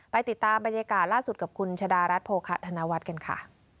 ติดตามบรรยากาศล่าสุดกับคุณชะดารัฐโภคะธนวัฒน์กันค่ะ